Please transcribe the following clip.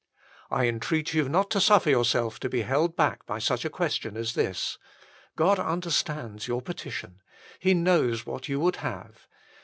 I entreat you not to suffer yourself to be held back by such a question as this. God understands your petition. He knows what you would have.